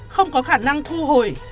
không có khả năng thu hồi